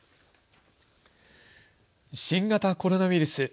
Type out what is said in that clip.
新型コロナウイルス。